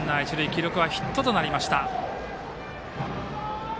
記録はヒットとなりました。